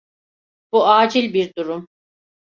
Bu acil bir durum.